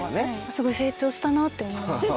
すごい成長したなって思います。